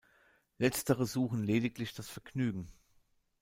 Letztere suchen lediglich das Vergnügen.